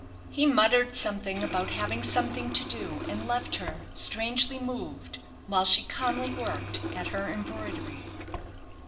He muttered something about having something to do, and left her, strangely moved, while she calmly worked in at her embroidery.